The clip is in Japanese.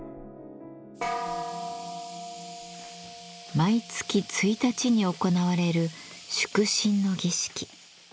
毎月１日に行われる祝聖の儀式。